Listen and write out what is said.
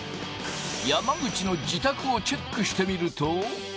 山口の自宅をチェックしてみると。